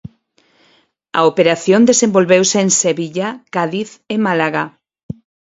A operación desenvolveuse en Sevilla, Cádiz e Málaga.